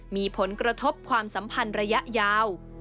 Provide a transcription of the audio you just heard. มีผลกระทบความสัมพันธ์ระยะยาว